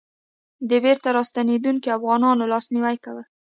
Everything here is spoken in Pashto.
د بېرته راستنېدونکو افغانانو لاسنيوی کول.